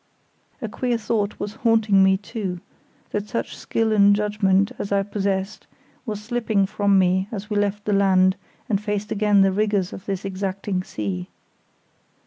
A queer thought was haunting me, too, that such skill and judgement as I possessed was slipping from me as we left the land and faced again the rigours of this exacting sea.